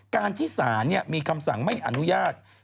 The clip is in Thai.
การที่ศาลมีคำสั่งไม่อนุญาต